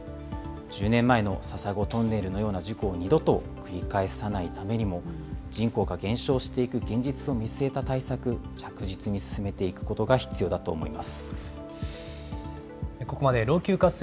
１０年前の笹子トンネルのような事故を二度と繰り返さないためにも、人口が減少していく現実を見据えた対策、着実に進めていくことが必要だと思います。